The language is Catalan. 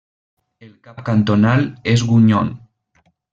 El cap cantonal és Gueugnon.